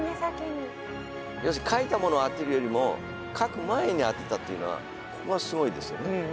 要するに書いたものを当てるよりも書く前に当てたっていうのはここがすごいですよね。